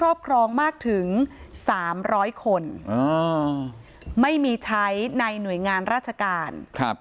รอบครองมากถึง๓๐๐คนไม่มีใช้ในหน่วยงานราชการ